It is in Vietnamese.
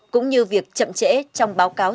cũng như việc chậm chẽ trong báo cáo